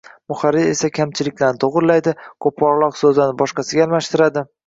Muharrir esa kamchiliklarni to‘g‘rilaydi, qo‘polroq so‘zlarni boshqasiga almashtiradi